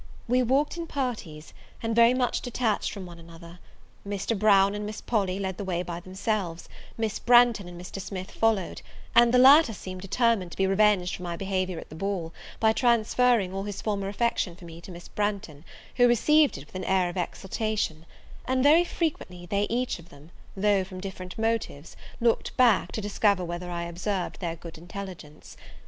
We walked in parties, and very much detached from one another. Mr. Brown and Miss Polly led the way by themselves; Miss Branghton and Mr. Smith followed; and the latter seemed determined to be revenged for my behaviour at the ball, by transferring all his former attention for me to Miss Branghton, who received it with an air of exultation; and very frequently they each of them, though from different motives, looked back, to discover whether I observed their good intelligence.